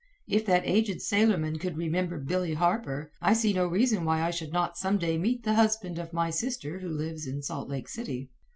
If that aged sailorman could remember Billy Harper, I see no reason why I should not some day meet the husband of my sister who lives in Salt Lake City.